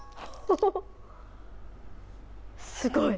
すごい！